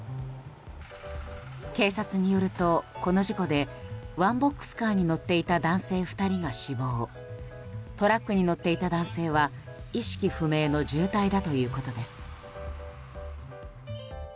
警察によると、この事故でワンボックスカーに乗っていた男性２人が死亡トラックに乗っていた男性は意識不明の重体だということです。